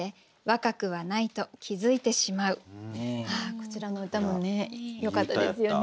こちらの歌もねよかったですよね。